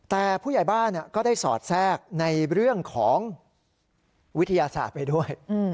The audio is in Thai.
แต่ผู้ใหญ่บ้านก็ได้สอดแทรกในเรื่องของวิทยาศาสตร์ไปด้วย